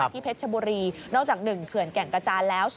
เพชรชบุรีนอกจาก๑เขื่อนแก่งกระจานแล้ว